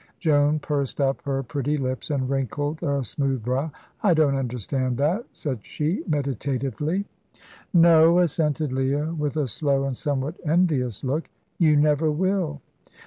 Joan pursed up her pretty lips and wrinkled a smooth brow. "I don't understand that," said she, meditatively. "No," assented Leah, with a slow and somewhat envious look; "you never will."